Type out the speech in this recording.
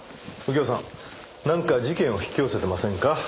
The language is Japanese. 右京さんなんか事件を引き寄せてませんか？